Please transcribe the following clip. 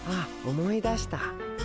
思い出した？